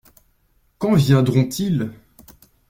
Quand viendront-ils ?